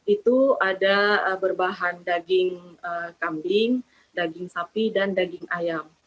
itu ada berbahan daging kambing daging sapi dan daging ayam